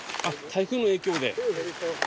あっ台風の影響で。